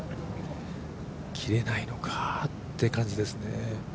切れないのかって感じですね。